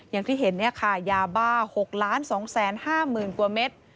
อย่างที่เห็นเนี่ยค่ะยาบ้า๖ล้าน๒แสน๕หมื่นตัวเม็ด